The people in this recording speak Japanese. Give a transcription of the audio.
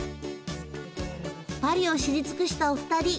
パリを知り尽くしたお二人。